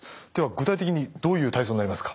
具体的にどういう体操になりますか。